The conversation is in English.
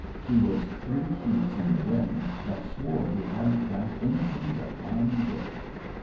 He was three sheets in the wind, but swore he hadn't drank anything but "Tom and Jerry."